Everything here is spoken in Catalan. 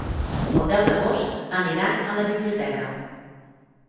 El deu d'agost aniran a la biblioteca.